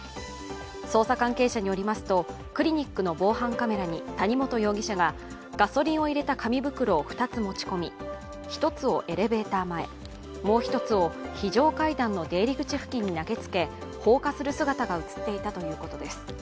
捜査関係者によりますとクリニックの防犯カメラに谷本容疑者がガソリンを入れた紙袋を２つ持ち込み、１つをエレベーター前、もう一つを非常階段の出入り口付近に投げつけ、放火する姿が映っていたということです。